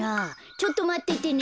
ちょっとまっててね。